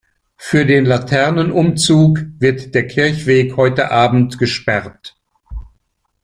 Für den Laternenumzug wird der Kirchweg heute Abend gesperrt.